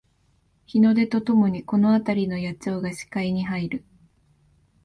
日の出とともにこのあたりの野鳥が視界に入る